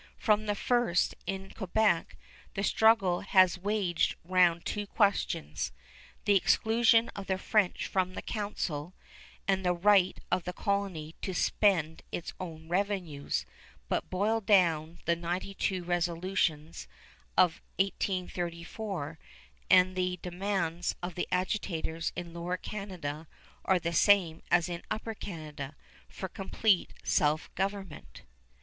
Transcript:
From the first, in Quebec, the struggle has waged round two questions, the exclusion of the French from the council, and the right of the colony to spend its own revenues; but boil down the ninety two resolutions of 1834, and the demands of the agitators in Lower Canada are the same as in Upper Canada, for complete self government.